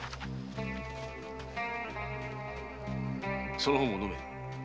その方も飲め。